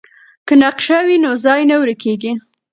که نقشه وي نو ځای نه ورکیږي.